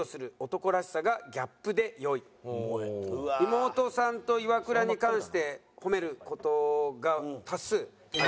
妹さんとイワクラに関して褒める事が多数。